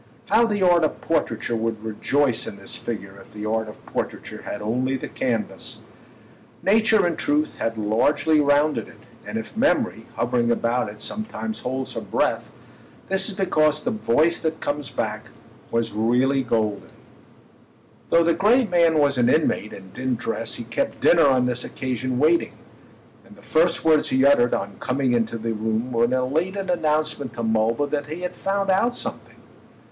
How the art of portraiture would rejoice in this figure if the art of portraiture had only the canvas! Nature, in truth, had largely rounded it, and if memory, hovering about it, sometimes holds her breath, this is because the voice that comes back was really golden. Though the great man was an inmate and didn't dress, he kept dinner on this occasion waiting, and the first words he uttered on coming into the room were an elated announcement to Mulville that he had found out something.